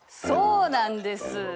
そうなんです。